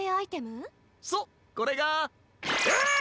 そうこれが。え！？